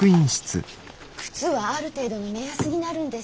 靴はある程度の目安になるんです。